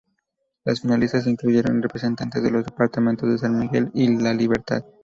Las finalistas incluyeron representantes de los departamentos de San Miguel y La Libertad.